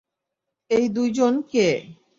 এই দুইজন কে?